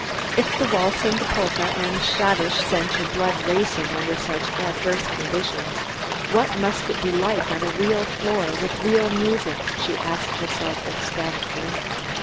If the waltz and the polka and schottische sent her blood racing under such adverse conditions, what must it be like on a real floor with real music, she asked herself ecstatically.